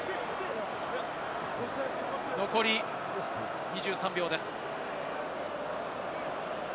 残り２３秒です。